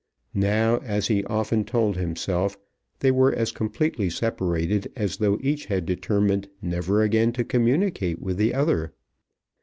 Now, as he often told himself, they were as completely separated as though each had determined never again to communicate with the other.